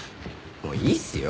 もういいっすよ。